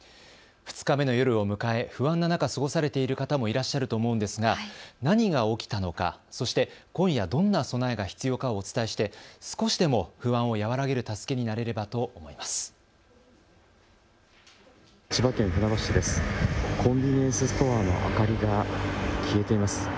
２日目の夜を迎え不安な中、過ごされている方もいらっしゃると思うんですが何が起きたのか、そして今夜、どんな備えが必要かをお伝えして少しでも不安を和らげる助けになれればと思います。